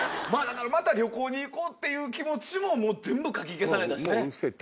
また「旅行に行こう」っていう気持ちも全部かき消されたしね。